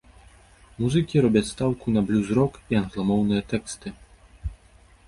Музыкі робяць стаўку на блюз-рок і англамоўныя тэксты.